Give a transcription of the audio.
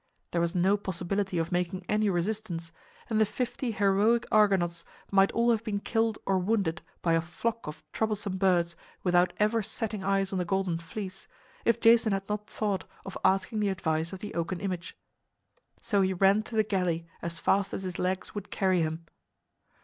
There was no possibility of making any resistance, and the fifty heroic Argonauts might all have been killed or wounded by a flock of troublesome birds without ever setting eyes on the Golden Fleece if Jason had not thought of asking the advice of the oaken image. So he ran to the galley as fast as his legs would carry him.